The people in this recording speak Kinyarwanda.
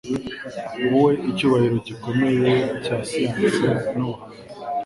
Wowe icyubahiro gikomeye cya siyansi n'ubuhanzi